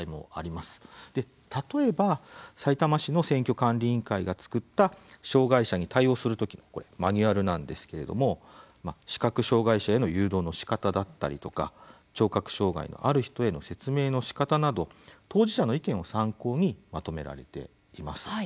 例えばさいたま市の選挙管理委員会が作った障害者に対応する時のこれマニュアルなんですけれども視覚障害者への誘導のしかただったりとか聴覚障害のある人への説明のしかたなど当事者の意見を参考にまとめられています。